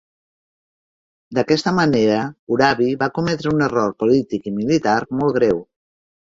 D"aquesta manera, Urabi va cometre un error polític i militar molt greu.